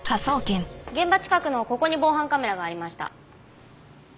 現場近くのここに防犯カメラがありました。